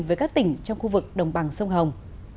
với các tỉnh trong khu vực đồng bằng sông hồng